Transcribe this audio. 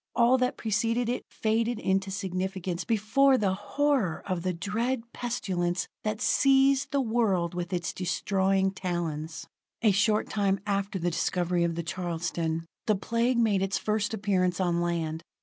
All that preceded it faded into significance before the horror of the dread pestilence that seized the world with its destroying talons. A short time after the discovery of the Charleston, the Plague made its first appearance on land.